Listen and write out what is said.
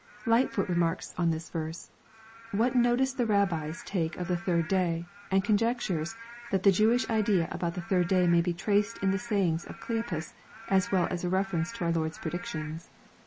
Lightfoot remarks on this verse, what notice the Rabbins take of the third day, and conjectures that the Jewish idea about the third day may be traced in the saying of Cleopas, as well as a ref erence to our Lord's predictions.